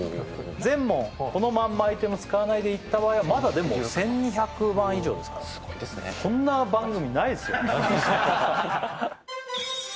全問このまんまアイテム使わないでいった場合はまだでも１２００万以上ですからこんな番組ないですよ